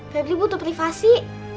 febri butuh privasi